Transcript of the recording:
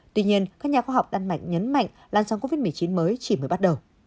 tuy nhiên các nhà khoa học đan mạch nhấn mạnh làn sóng covid một mươi chín mới chỉ mới bắt đầu